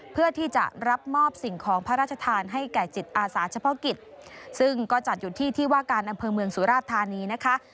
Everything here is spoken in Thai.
เพื่อที่จะรับมอบสิ่งของพระราชทานให้แก่จิตอาสาเฉพาะกิจซึ่งก็จัดอยู่ที่ที่ว่าการอำเภอเมืองสุราชธานีนะคะ